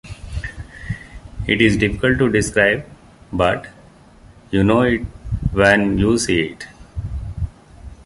It is difficult to describe, but you know it when you see it.